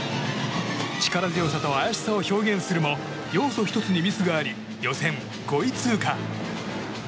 力強さと怪しさを表現するも要素１つにミスがあり予選５位通過。